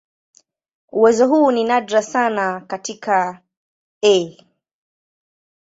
Uwezo huu ni nadra sana katika "E.